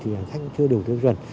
thì hành khách cũng chưa đủ tiêu chuẩn